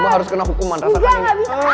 bapak harus kena hukuman rasakan ini